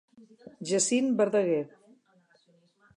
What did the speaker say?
Jacint Verdaguer.